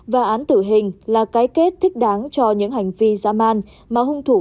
và án tử hình là cái kết thích đáng cho những hành vi giảm